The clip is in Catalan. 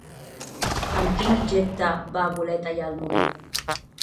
Amb quin objecte va voler tallar el noguer?